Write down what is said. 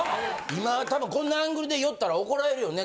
今たぶんこんなアングルで寄ったら怒られるよね。